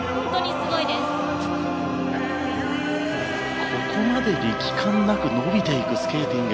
ここまで力感なく伸びていくスケーティング。